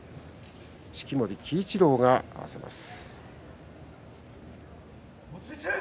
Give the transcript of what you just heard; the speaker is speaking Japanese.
式守鬼一郎が合わせます。